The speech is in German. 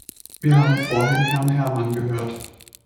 Wir haben vorhin Herrn Herman gehört.